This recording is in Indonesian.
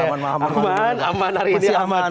aman aman aman